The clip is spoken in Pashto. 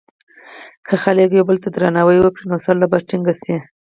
که خلک یو بل ته درناوی وکړي، نو سوله به ټینګه شي.